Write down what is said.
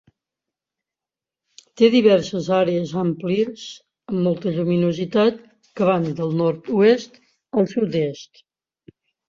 Té diverses àrees àmplies amb molta lluminositat que van del nord-oest al sud-est.